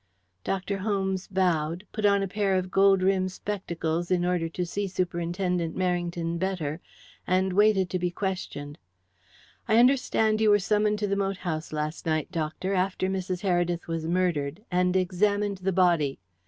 Dr. Holmes bowed, put on a pair of gold rimmed spectacles in order to see Superintendent Merrington better, and waited to be questioned. "I understand you were summoned to the moat house last night, doctor, after Mrs. Heredith was murdered, and examined the body.